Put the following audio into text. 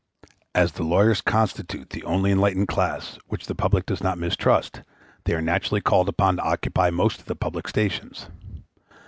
As the lawyers constitute the only enlightened class which the people does not mistrust, they are naturally called upon to occupy most of the public stations.